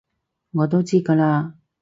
我都知㗎喇